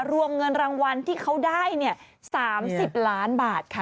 รวมเงินรางวัลที่เขาได้๓๐ล้านบาทค่ะ